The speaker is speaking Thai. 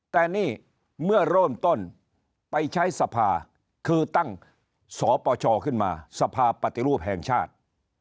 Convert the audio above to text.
แต่นี่เมื่อเริ่มต้นไปใช้สภาคือตั้งสปชขึ้นมาสภาปฏิรูปแห่งชาติ